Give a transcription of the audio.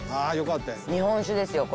ああよかったです。